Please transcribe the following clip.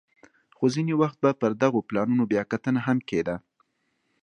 خو ځیني وخت به پر دغو پلانونو بیا کتنه هم کېده